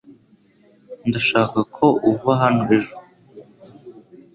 Ndashaka ko uva hano ejo .